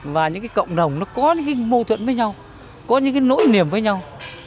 và những cộng đồng nó có những mâu thuẫn với nhau có những nỗi niềm với nhau